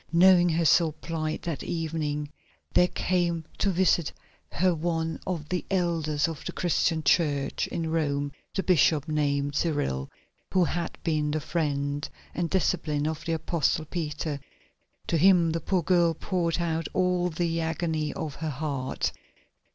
Knowing her sore plight, that evening there came to visit her one of the elders of the Christian Church in Rome, a bishop named Cyril, who had been the friend and disciple of the Apostle Peter. To him the poor girl poured out all the agony of her heart.